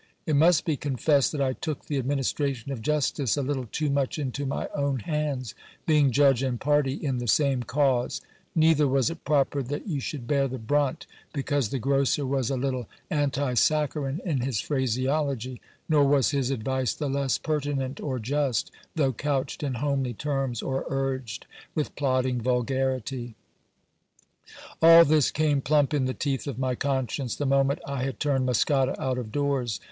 It must be confessed that I took the administration of justice a little too much into my own hands, being judge and party in the same cause ; neither was it proper that you should bear the brunt, because the grocer was a little anti saccharine in his phraseology ; nor was his advice the less pertinent or just, though couched in homely terms, or urged with plodding vulgarity. All this came plump in the teeth of my conscience, the moment I had turned Muscada out of doors.